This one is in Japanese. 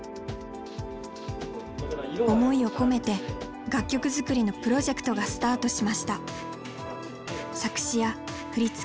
思いを込めて楽曲作りのプロジェクトがスタートしました。